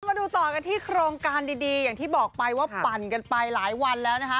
มาดูต่อกันที่โครงการดีอย่างที่บอกไปว่าปั่นกันไปหลายวันแล้วนะคะ